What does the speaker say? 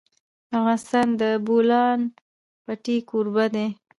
افغانستان د د بولان پټي کوربه دی.